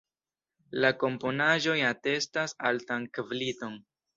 La komponaĵoj atestas altan kvaliton.